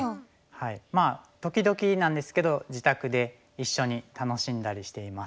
まあ時々なんですけど自宅で一緒に楽しんだりしています。